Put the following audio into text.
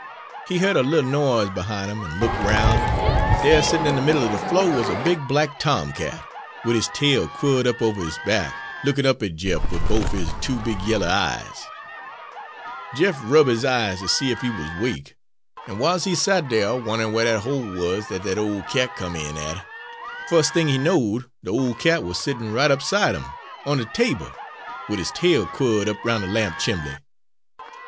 He heared a little noise behind him an' look 'roun', an' dere settin' in de middle er de flo' wuz a big black tomcat, wid his tail quirled up over his back, lookin' up at Jeff wid bofe his two big yaller eyes. "Jeff rub' 'is eyes, ter see ef he wuz 'wake, an w'iles he sot dere wond'rin' whar de hole wuz dat dat ole cat come in at, fus' thing he knowed, de ole cat wuz settin' right up 'side of 'im, on de table, wid his tail quirled up roun' de lamp chimbly.